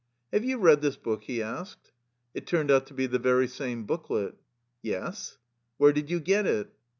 " Have you read this book? " he asked. It turned out to be the very same booklet. " Yes." " Where did you get it?